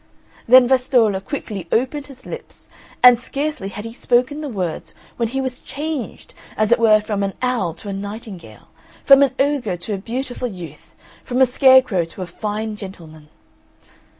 Then Vastolla quickly opened his lips, and scarcely had he spoken the words when he was changed, as it were from an owl to a nightingale, from an ogre to a beautiful youth, from a scarecrow to a fine gentleman.